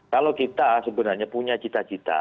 kalau kita sebenarnya punya cita cita